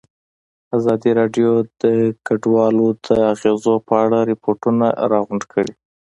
ازادي راډیو د کډوال د اغېزو په اړه ریپوټونه راغونډ کړي.